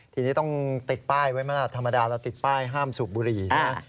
ทีนี้ต้องติดป้ายไว้ไหมล่ะธรรมดาเราติดป้ายห้ามสูบบุหรี่นะ